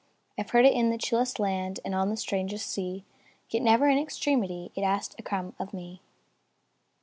I 've heard it in the chillest land, And on the strangest sea; Yet, never, in extremity, It asked a crumb of me.